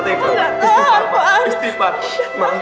mama jangan kayak gini mama